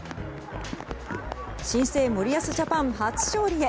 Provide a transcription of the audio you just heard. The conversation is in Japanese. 新生森保ジャパン初勝利へ